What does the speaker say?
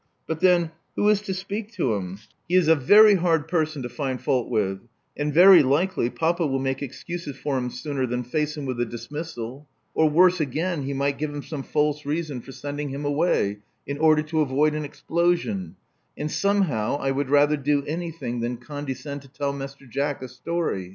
But then, who is to speak to him? He is a 48 Love Among the Artists very hard person to find fault with; and very likely papa will make excuses for him sooner than face him with a dismissal. Or, worse again, he might give him some false reason for sending him away, in order to avoid an explosion ; and somehow I would rather do anything than condescend to tell Mr. Jack a story.